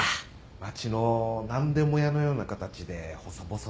町の何でも屋のような形で細々と